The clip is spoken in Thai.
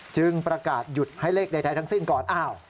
จึงประกาศหยุดให้เลขใดท้ายทั้งสิ้นก่อนอ้าว